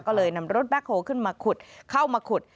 ก็เลยนำรถแบ็คโฮขึ้นมาขุดเข้ามาขุด